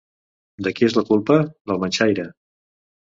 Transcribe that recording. De qui és la culpa? Del manxaire.